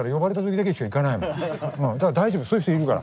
だから大丈夫そういう人いるから。